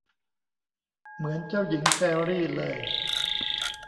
เหมือนเจ้าหญิงแฟรรี่เลย